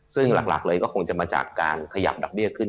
ซึ่งหลักเลยก็คงจะมาจากการขยับดอกเบี้ยขึ้น